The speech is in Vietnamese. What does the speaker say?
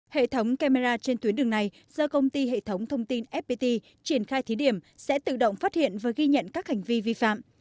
hệ thống camera trên tuyến đường này do công ty hệ thống thông tin fpt triển khai thí điểm sẽ tự động phát hiện và ghi nhận các hành vi vi phạm